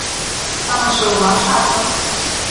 Танышыуыма шатмын!